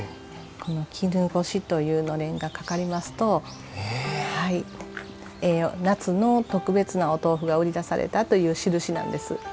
この「きぬごし」というのれんがかかりますと夏の特別なお豆腐が売り出されたというしるしなんです。